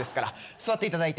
座っていただいて。